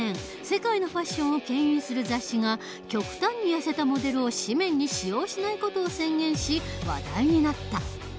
世界のファッションをけん引する雑誌が極端にやせたモデルを紙面に使用しない事を宣言し話題になった。